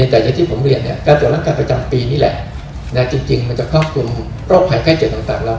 เนื่องจากตลากราศน์ประจำปีจะค่อยควงโรคไหก่เจ็บต่างต่างราว๘๐